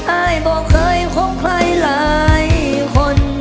อายบอกเคยคบใครหลายคน